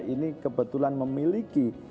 ini kebetulan memiliki